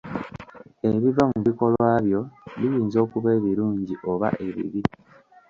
Ebiva mu bikolwa byo biyinza okuba ebirungi oba ebibi.